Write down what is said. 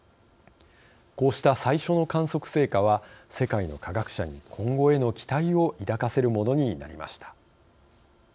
こうした最初の観測成果は世界の科学者に今後への期待を抱かせるものになりました。